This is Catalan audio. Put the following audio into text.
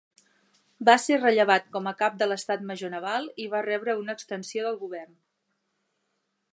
Va ser rellevat com a Cap de l'Estat Major Naval i va rebre una extensió del govern.